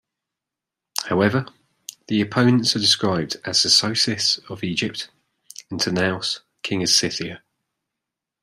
However, the opponents are described as Sesosis of Egypt and Tanaus, king of Scythia.